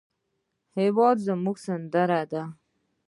هېواد زموږ سندره ده